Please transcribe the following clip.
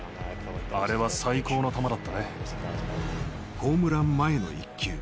ホームラン前の１球。